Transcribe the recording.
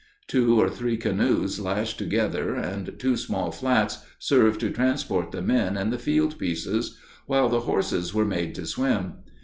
Two or three canoes lashed together and two small flats served to transport the men and the field pieces, while the horses were made to swim.